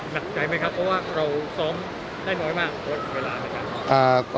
นัดใจไหมครับเพราะว่าเราซ้อมได้น้อยมากเวลาไหมครับ